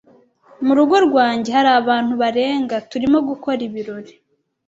Mu rugo rwanjye hari abantu barenga . Turimo gukora ibirori.